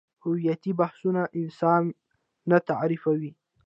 هویتي بحثونه انسان نه تعریفوي.